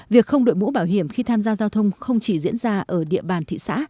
việc không đội mũ bảo hiểm khi tham gia giao thông không chỉ diễn ra ở địa bàn thị xã